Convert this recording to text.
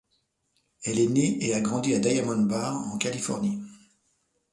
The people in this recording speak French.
Elle est née et a grandi à Diamond Bar en Californie.